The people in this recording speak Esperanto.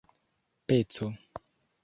peco